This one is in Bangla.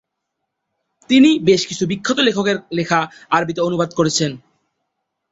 তিনি বেশ কিছু বিখ্যাত লেখকের লেখা আরবিতে অনুবাদ করেছেন।